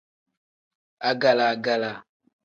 Agala-gala.